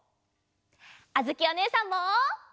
あづきおねえさんも！